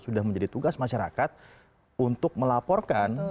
sudah menjadi tugas masyarakat untuk melaporkan